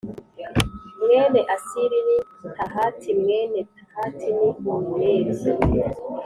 Mwene Asiri ni Tahati mwene Tahati ni Uriyeli